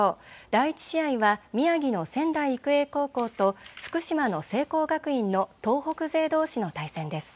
第１試合は宮城の仙台育英高校と福島の聖光学院の東北勢どうしの対戦です。